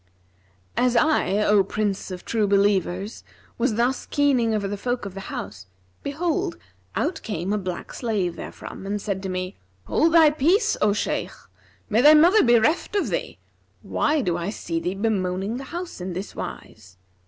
As I, O Prince of True Believers, was thus keening over the folk of the house,[FN#341] behold, out came a black slave therefrom and said to me, 'Hold thy peace, O Shaykh! May thy mother be reft of thee! Why do I see thee bemoaning the house in this wise?'